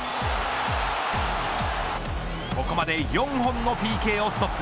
ここまで４本のＰＫをストップ。